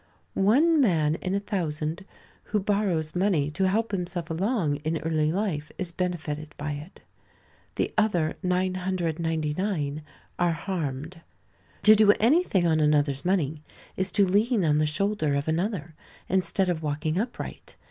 One man in a thousand who borrows money to help himself along in early life is benefited by it. The other 999 are harmed. To do anything on another's money is to lean on the shoulder of another instead of walking upright.